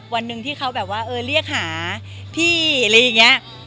วันหนึ่งที่เขาแบบว่าเออเรียกหาพี่อะไรอย่างนี้